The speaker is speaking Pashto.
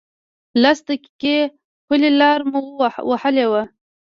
لس دقیقې پلی لاره مو وهلې وه.